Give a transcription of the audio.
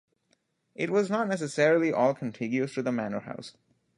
It was not necessarily all contiguous to the manor house.